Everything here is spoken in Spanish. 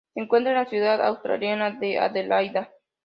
Se encuentra en la ciudad australiana de Adelaida.